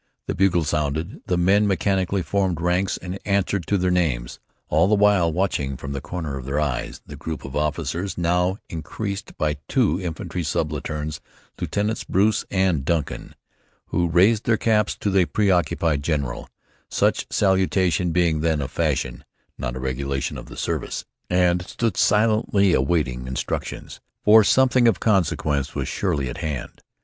The bugle sounded, the men mechanically formed ranks and answered to their names, all the while watching from the corner of their eyes the group of officers, now increased by two infantry subalterns, Lieutenants Bruce and Duncan, who raised their caps to the preoccupied general, such salutation being then a fashion, not a regulation of the service, and stood silently awaiting instructions, for something of consequence was surely at hand.